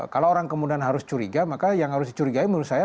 kalau orang kemudian harus curiga maka yang harus dicurigai menurut saya